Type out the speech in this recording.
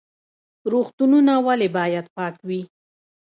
روغتونونه ولې باید پاک وي؟